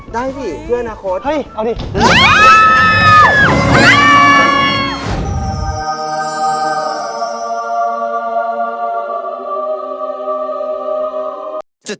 ได้สิเพื่อนนะโค้ช